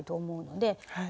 はい。